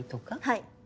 はい。